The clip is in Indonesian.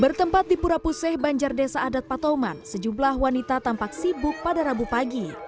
bertempat di pura puseh banjar desa adat patoman sejumlah wanita tampak sibuk pada rabu pagi